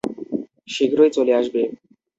শীঘ্রই চলে আসবে।